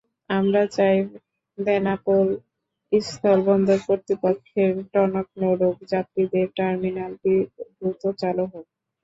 আমরা চাই বেনাপোল স্থলবন্দর কর্তৃপক্ষের টনক নড়ুক, যাত্রীদের টার্মিনালটি দ্রুত চালু হোক।